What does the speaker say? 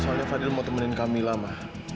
soalnya fadil mau temenin kamila ma